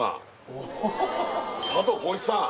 おお佐藤浩市さん